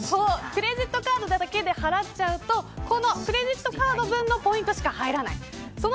クレジットカードだけで払っちゃうとクレジットカードのポイントしか入らないの。